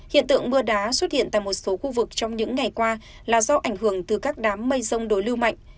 hiện tượng mưa đá xuất hiện tại một số khu vực trong những ngày qua là do ảnh hưởng từ các đám mây rông đối lưu mạnh